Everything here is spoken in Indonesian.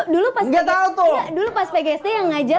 dulu pas pg sd yang ngajar